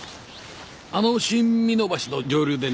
あの新美濃橋の上流でね